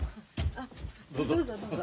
あどうぞどうぞ。